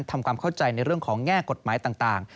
ทำความเข้าใจในเรื่องของแง่กฎหมายต่าง